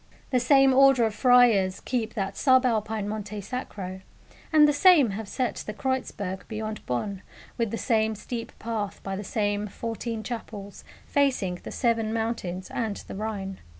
The same order of friars keep that sub Alpine Monte Sacro, and the same have set the Kreuzberg beyond Bonn with the same steep path by the same fourteen chapels, facing the Seven Mountains and the Rhine.